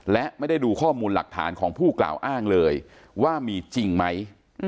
และไม่ได้ดูข้อมูลหลักฐานของผู้กล่าวอ้างเลยว่ามีจริงไหม